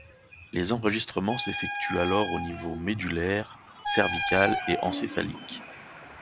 Les enregistrements s'effectuent alors au niveau médullaire, cervical et encéphalique.